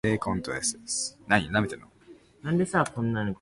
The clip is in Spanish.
Se construyó un pequeño escenario para la comunidad en ese entonces.